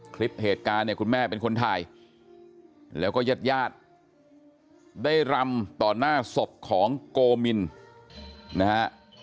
คลิปเหตุการณ์เนี่ยคุณแม่เป็นคนถ่ายแล้วก็ญาติญาติได้รำต่อหน้าศพของโกมินนะฮะ